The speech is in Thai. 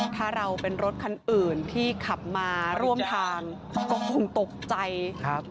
ถ้าเราเป็นรถคันอื่นที่ขับมาร่วมทางก็คงตกใจครับ